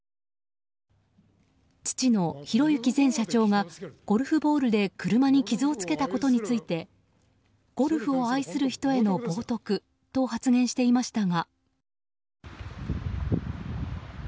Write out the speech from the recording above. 父の宏行前社長がゴルフボールで車に傷をつけたことについてゴルフを愛する人への冒涜と発言していましたが。